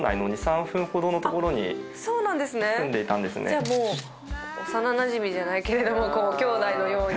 じゃあもう幼なじみじゃないけれども兄弟のように。